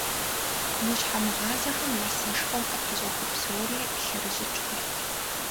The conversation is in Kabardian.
Мо щхьэмыгъазэхэм я сэшхуэм къыпэщӀэхуэ псори лъэрыщӀыкӀ хъурт.